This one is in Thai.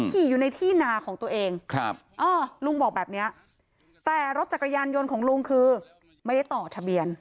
อยู่ในที่นาของตัวเองลุงบอกแบบนี้แต่รถจักรยานยนต์ของลุงคือไม่ได้ต่อทะเบียน